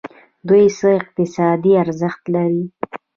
دوی څه اقتصادي ارزښت لري.